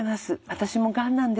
私もがんなんです。